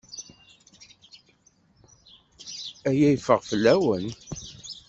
Aya yeffeɣ fell-awen.